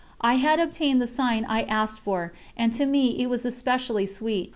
... I had obtained the sign I asked for, and to me it was especially sweet.